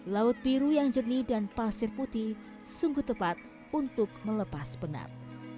laut biru yang jernih dan pasir putih sungguh tepat untuk melepas penat